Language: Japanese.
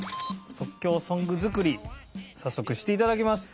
即興ソング作り早速して頂きます。